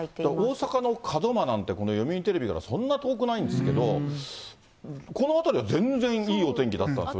大阪の門真なんて、読売テレビからそんな遠くないんですけど、この辺りは全然いいお天気だったんですよ。